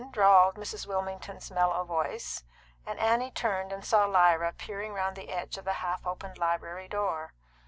drawled Mrs. Wilmington's mellow voice, and Annie turned and saw Lyra peering round the edge of the half opened library door.